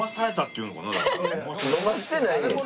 飲ましてないねん！